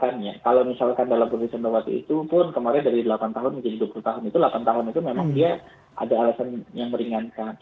nah kalau misalkan dalam kondisi sembawati itu pun kemarin dari delapan tahun menjadi dua puluh tahun itu delapan tahun itu memang dia ada alasan yang meringankan